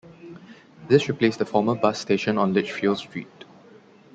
This replaced the former bus station, on Lichfield Street.